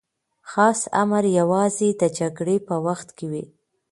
خاص امر یوازې د جګړې په وخت کي وي.